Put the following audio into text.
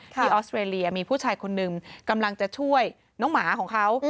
ออสเตรเลียมีผู้ชายคนหนึ่งกำลังจะช่วยน้องหมาของเขา